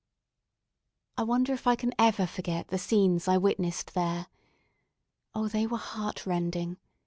I wonder if I can ever forget the scenes I witnessed there? Oh! they were heartrending.